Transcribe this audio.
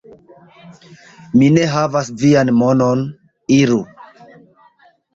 Mi ne havas vian monon, iru!